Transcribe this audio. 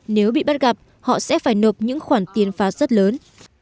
nếu bị bắt gặp họ sẽ phải nộp những khoản tiền phá rất lớn